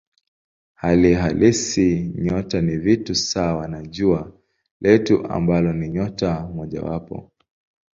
Hali halisi nyota ni vitu sawa na Jua letu ambalo ni nyota mojawapo.